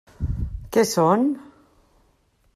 Què són?